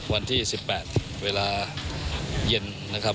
วันที่๑๘เวลาเย็น